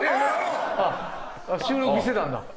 あっ収録してたんだ。